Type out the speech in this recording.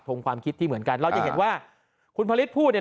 ความคิดที่เหมือนกันเราจะเห็นว่าคุณพระฤทธิพูดเนี่ย